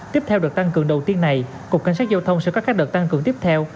tiếp theo đợt tăng cường đầu tiên này cục cảnh sát giao thông sẽ có các đợt tăng cường tiếp theo